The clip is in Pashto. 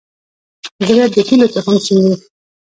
زړه د هيلو تخم شیندي.